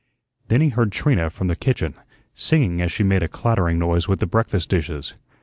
Then he heard Trina, from the kitchen, singing as she made a clattering noise with the breakfast dishes.